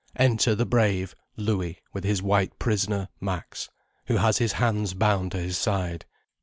Enter the brave Louis with his white prisoner, Max, who has his hands bound to his side.